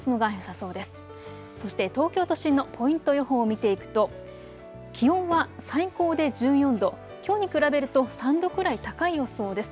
そして東京都心のポイント予報を見ていくと気温は最高で１４度、きょうに比べると３度くらい高い予想です。